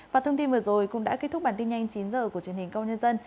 và thông tin vừa rồi cũng đã kết thúc bản tin nhanh chín h của truyền hình công nhân dân